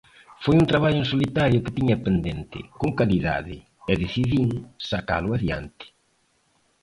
Foi un traballo en solitario que tiña pendente, con calidade, e decidín sacalo adiante.